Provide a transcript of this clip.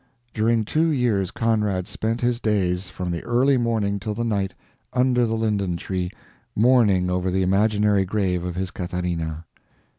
During two years Conrad spent his days, from the early morning till the night, under the linden tree, mourning over the imaginary grave of his Catharina.